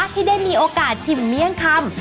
ที่ได้มีโอกาสชิมเมี่ยงคำ